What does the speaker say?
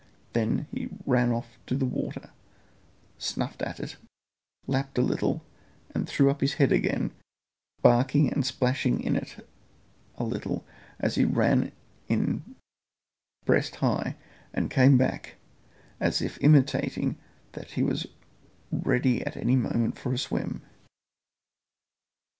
Then he ran to the water, snuffed at it, lapped a little, and threw up his head again, barking and splashing in it a little as he ran in breast high and came back, as if intimating that he was ready at any moment for a swim.